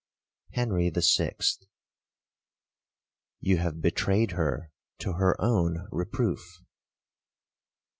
HENRY THE SIXTH You have betrayed her to her own reproof.